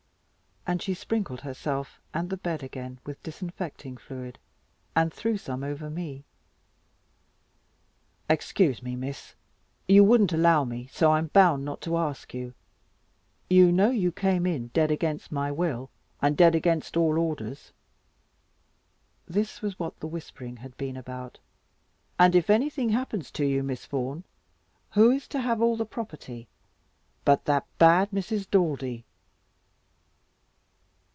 And she sprinkled herself, and the bed again, with disinfecting fluid, and threw some over me. "Excuse me, Miss, you wouldn't allow me, so I am bound not to ask you. You know you came in dead against my will, and dead against all orders" this was what the whispering had been about "and if anything happens to you, Miss Vaughan, who is to have all the property, but that bad Mrs. Daldy?"